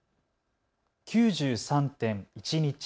９３．１日。